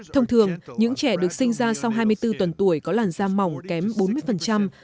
thông thường những trẻ được sinh ra sau hai mươi bốn tuần tuổi có làn da mỏng kém bốn mươi